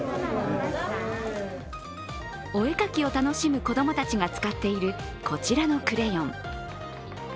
お絵描きを楽しむ子供たちが使っているこちらのクレヨン。